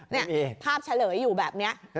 นี่ภาพเฉลยอยู่แบบนี้